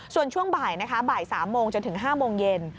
ส่วนช่วงบ่ายนะคะบ่าย๓โมงจนถึง๕โมงเย็น